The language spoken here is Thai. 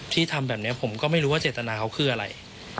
ที่ทำแบบนี้ผมก็ไม่รู้ว่าเจตนาเขาคืออะไร